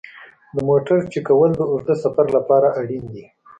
د موټر چک کول د اوږده سفر لپاره اړین دي.